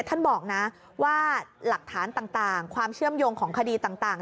ท่านบอกนะว่าหลักฐานต่างความเชื่อมโยงของคดีต่าง